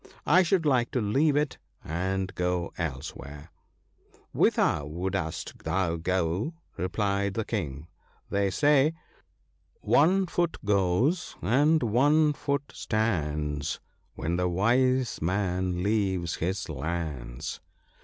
I should like to leave it and go elsewhere.' * Whither wouldst thou go ?' replied the King ; they say, " One foot goes, and one foot stands, When the wise man leaves his lands."